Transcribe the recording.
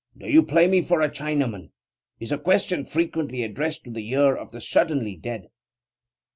Do you play me for a Chinaman? is a question frequently addressed to the ear of the suddenly dead.